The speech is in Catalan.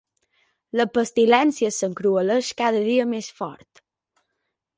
La pestilència s'encrueleix cada dia més fort.